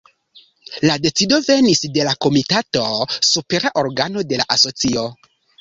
La decido venis de la Komitato, supera organo de la Asocio.